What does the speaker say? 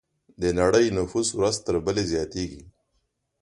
د نړۍ نفوس ورځ تر بلې زیاتېږي.